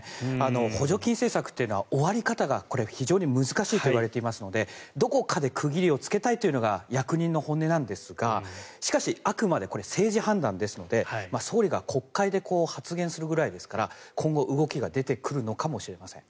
補助金政策というのは終わり方が非常に難しいといわれていますのでどこかで区切りをつけたいというのが役人の本音なんですがしかし、あくまで政治判断ですので総理が国会で発言するくらいですから今後、動きが出てくるのかもしれません。